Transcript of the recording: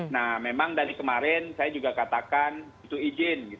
nah memang dari kemarin saya juga katakan itu izin